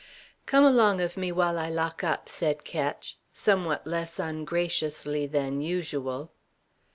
"Come along of me while I lock up," said Ketch, somewhat less ungraciously than usual.